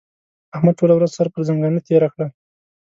احمد ټوله ورځ سر پر ځنګانه تېره کړه.